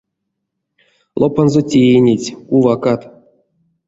Лопанзо теинеть, кувакат.